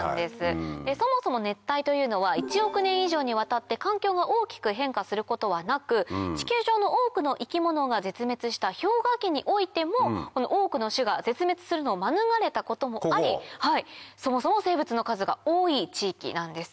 そもそも熱帯というのは１億年以上にわたって環境が大きく変化することはなく地球上の多くの生き物が絶滅した氷河期においても多くの種が絶滅するのを免れたこともありそもそも生物の数が多い地域なんです。